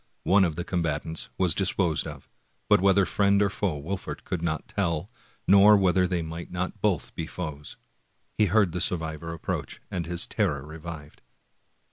One of the combatants was dis posed of, but whether friend or foe Wolfert could not tell, nor whether they might not both be foes. He heard the survivor approach, and his terror revived.